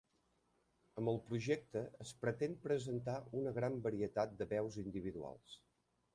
Amb el projecte es pretén presentar una gran varietat de veus individuals.